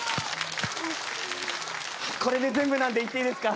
これで全部なんで行っていいですか？